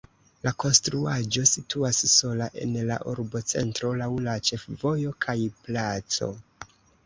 La konstruaĵo situas sola en la urbocentro laŭ la ĉefvojo kaj placo.